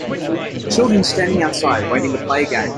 Children standing outside, waiting to play a game.